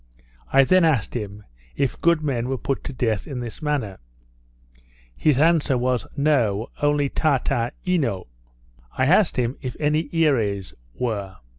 I then asked him, If good men were put to death in this manner? His answer was No, only Taata eno. I asked him if any Earees were?